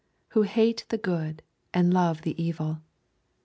. who hate the good and love the evil.'